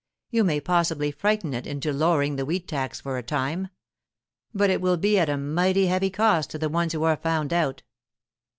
You may possibly frighten it into lowering the wheat tax for a time, but it will be at a mighty heavy cost to the ones who are found out.